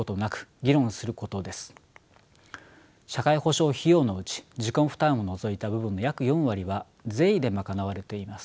社会保障費用のうち自己負担を除いた部分の約４割は税で賄われています。